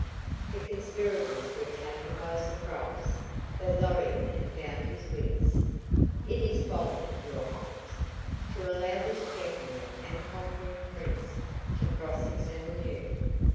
The conspirators were taken by surprise, but Lorry had found his wits. "It is folly, your Highness, to allow this gentleman and conquering Prince to cross examine you.